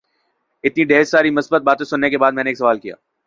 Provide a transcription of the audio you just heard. اتنی ڈھیر ساری مثبت باتیں سننے کے بعد میں نے اچانک سوال کیا